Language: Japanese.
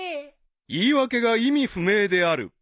［言い訳が意味不明である］